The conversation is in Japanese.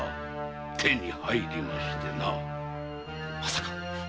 まさか！